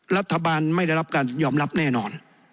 รัฐบาลไม่ได้รับการยอมรับแน่นอน